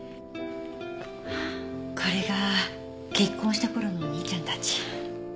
これが結婚した頃のお兄ちゃんたち。